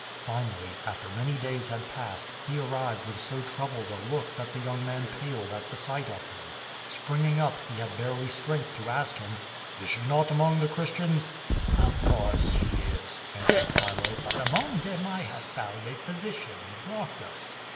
Finally, after many days had passed, he arrived with so troubled a look that the young man paled at sight of him. Springing up, he had barely strength to ask him: "Is she not among the Christians?'* "Of course she is,*' answered Chile; *T)ut among them I have found a physician, Glaucus.